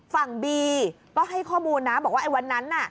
ฝั่งบีก็ให้ข้อมูลนะบอกว่าไอ้วันนั้นน่ะ